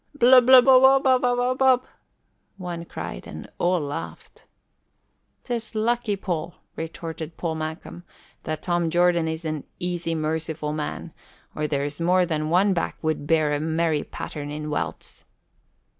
"Blubububububub!" one cried, and all laughed. "'Tis lucky, Paul," retorted Harry Malcolm, "that Tom Jordan is an easy, merciful man, or there's more than one back would bear a merry pattern in welts."